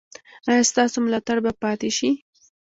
ایا ستاسو ملاتړ به پاتې شي؟